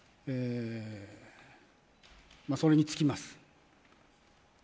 それに尽きます。